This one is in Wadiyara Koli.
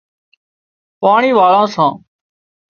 پاڻي واۯان سان